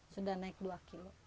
sudah naik dua kilo